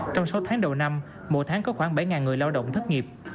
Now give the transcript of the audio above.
trong sáu tháng đầu năm mỗi tháng có khoảng bảy người lao động thất nghiệp